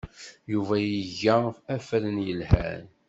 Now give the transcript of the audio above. Yuba iga afran yelhan.